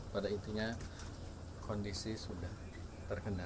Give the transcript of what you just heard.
pada intinya kondisi sudah terkendali